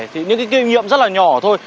thì những cái kinh nghiệm rất là nhỏ thôi